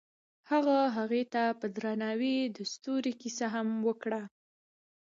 هغه هغې ته په درناوي د ستوري کیسه هم وکړه.